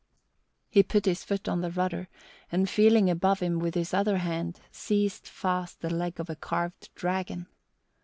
He put his foot on the rudder, and feeling above him with his other hand seized fast the leg of a carved dragon.